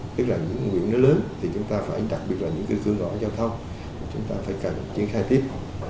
tức là những nguyện lớn thì chúng ta phải đặt được những cư cư ngõ giao thông chúng ta phải chiến khai tiếp